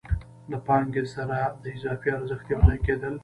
له پانګې سره د اضافي ارزښت یو ځای کېدل